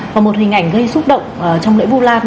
và một hình ảnh gây xúc động trong lễ vu lan